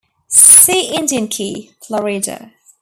See Indian Key, Florida.